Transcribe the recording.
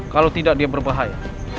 kalau tidak dia berbahaya